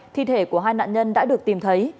thi thể của hai nạn nhân đã được tìm thấy